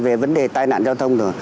về vấn đề tai nạn giao thông